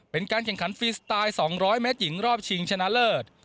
เป็นการแข่งขันฟรีสไตล์๒๐๐เมตรหญิงรอบชิงชนะเลิศ